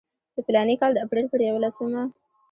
د فلاني کال د اپریل پر یوولسمه.